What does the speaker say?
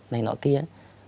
này nọ kia